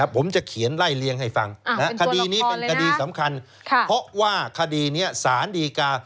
ผมจะเขียนไล่เลี้ยงให้ฟังคดีนี้เป็นคดีสำคัญเพราะว่าคดีนี้สารดีกา